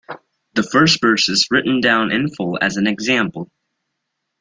The first verse is written down in full as an example.